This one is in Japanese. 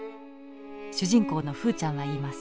主人公のふうちゃんは言います。